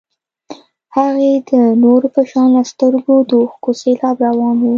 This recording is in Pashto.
هغې د نورو په شان له سترګو د اوښکو سېلاب روان و.